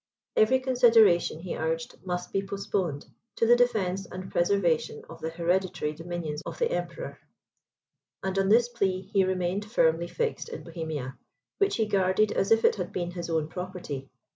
Every consideration, he urged, must be postponed to the defence and preservation of the hereditary dominions of the Emperor; and on this plea, he remained firmly fixed in Bohemia, which he guarded as if it had been his own property.